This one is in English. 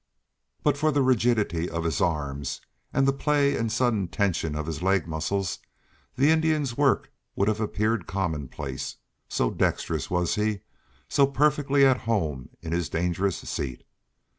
But for the rigidity of his arms, and the play and sudden tension of his leg muscles, the Indian's work would have appeared commonplace, so dexterous was he, so perfectly at home in his dangerous seat.